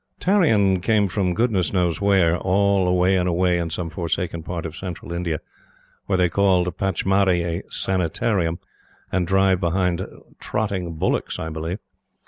Tarrion came from goodness knows where all away and away in some forsaken part of Central India, where they call Pachmari a "Sanitarium," and drive behind trotting bullocks, I believe.